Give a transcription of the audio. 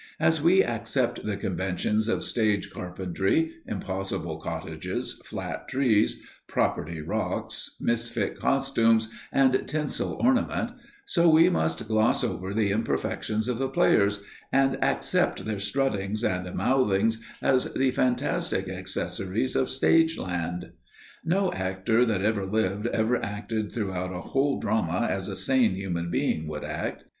As we accept the conventions of stage carpentry, impossible cottages, flat trees, "property" rocks, misfit costumes and tinsel ornament, so we must gloss over the imperfections of the players, and accept their struttings and mouthings as the fantastic accessories of stage land. No actor that ever lived ever acted throughout a whole drama as a sane human being would act.